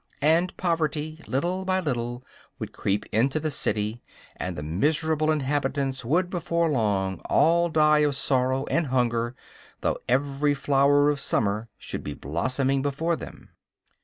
And poverty, little by little, would creep into the city; and the miserable inhabitants would before long all die of sorrow and hunger, though every flower of summer should be blossoming before them.